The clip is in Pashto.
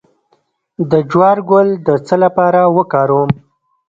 د جوار ګل د څه لپاره وکاروم؟